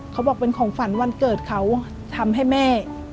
เขาบอกเป็นของฝันวันเกิดเขาทำให้แม่